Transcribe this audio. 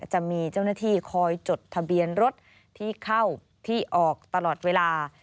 จะมีเจ้าหน้าที่คอยจดทะเบียนรถที่เข้าที่ออกตลอดเวลา